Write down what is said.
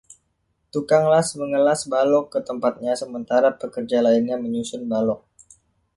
Tukang las mengelas balok ke tempatnya sementara pekerja lainnya menyusun balok.